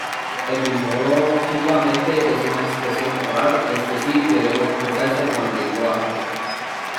Etimológicamente es una expresión oral, es decir, que debe expresarse con el lenguaje.